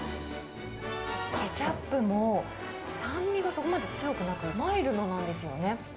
ケチャップも、酸味がそこまで強くなく、マイルドなんですよね。